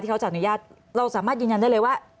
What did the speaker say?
เขาจะอนุญาตเราสามารถยืนยันได้เลยว่า